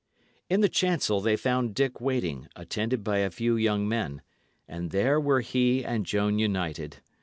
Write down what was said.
In the chancel they found Dick waiting, attended by a few young men; and there were he and Joan united.